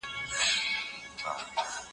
د ننګ او غیرت ساتنه وکړئ.